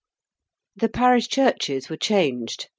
'_)] The parish churches were changed.